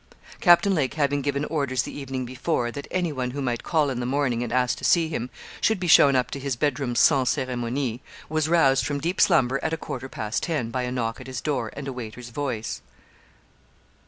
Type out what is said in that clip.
Captain Lake having given orders the evening before, that anyone who might call in the morning, and ask to see him, should be shown up to his bed room sans ceremonie, was roused from deep slumber at a quarter past ten, by a knock at his door, and a waiter's voice.